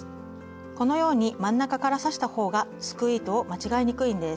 このように真ん中から刺したほうがすくう糸を間違えにくいんです。